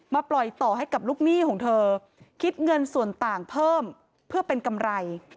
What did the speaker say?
ปล่อยต่อให้กับลูกหนี้ของเธอคิดเงินส่วนต่างเพิ่มเพื่อเป็นกำไร